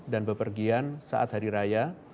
dan bepergian saat hari raya